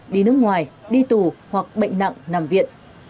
đi nước ngoài đi tù hoặc bệnh nặng nằm viện